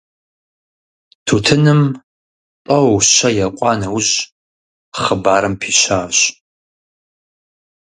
Тутыным тӀэу-щэ екъуа нэужь хъыбарым пищащ.